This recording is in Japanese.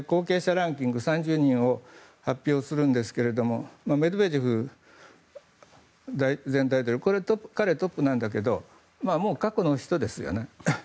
ランキング３０人を発表するんですけれどもメドベージェフ前大統領彼はトップなんだけどももう過去の人ですよね。